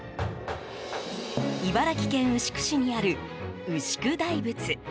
茨城県牛久市にある牛久大仏。